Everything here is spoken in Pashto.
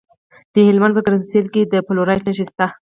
د هلمند په ګرمسیر کې د فلورایټ نښې شته.